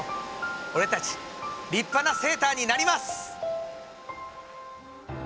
俺たち立派なセーターになります！